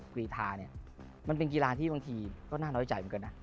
กรีธาเนี่ยมันเป็นกีฬาที่บางทีก็น่าน้อยใจเหมือนกันนะ